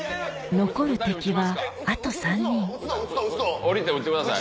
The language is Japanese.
残る敵はあと３人降りて撃ってください。